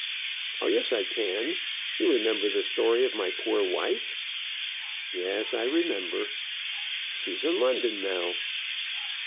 "Oh yes; I can. You remember the story of my poor wife?" "Yes; I remember." "She's in London now."